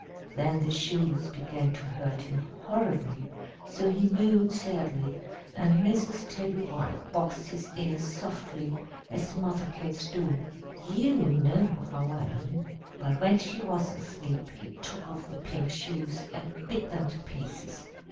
Then the shoes began to hurt him horribly, so he mewed sadly; and Mrs. Tabby White boxed his ears softly as mother cats do; you know how I mean! But when she was asleep he took off the pink shoes and bit them to pieces.